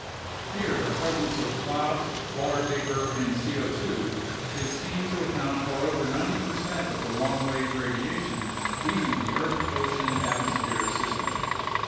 Here the presence of clouds, water vapor, and C0 2 is seen to account for over 90 percent of the long wave radiation leaving the earth ocean atmosphere system.